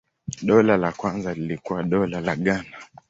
Dola la kwanza lilikuwa Dola la Ghana.